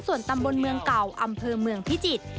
ส่วนตำบลเมืองเก่าอำเภอเมืองพิจิตร